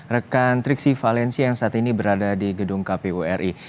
dan triksi valensi yang saat ini berada di gedung kpu ri